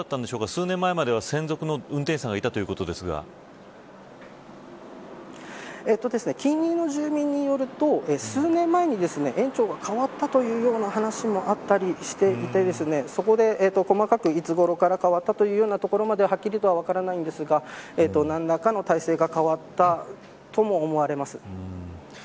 数年前まで専属の運転手さんがいた近隣の住民によると数年前に園長が変わったという話もあったりしていてそこで細かく、いつごろから変わった話ははっきり分からないんですが何らかの体制が変わったとも思われます。